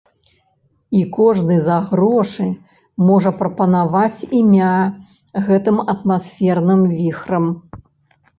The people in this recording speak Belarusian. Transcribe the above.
І кожны за грошы можа прапанаваць імя гэтым атмасферным віхрам.